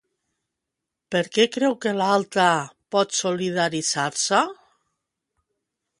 Per què creu que l'altre pot solidaritzar-se?